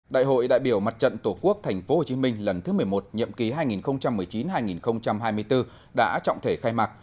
đại hội đại biểu mặt trận tổ quốc tp hcm lần thứ một mươi một nhậm ký hai nghìn một mươi chín hai nghìn hai mươi bốn đã trọng thể khai mạc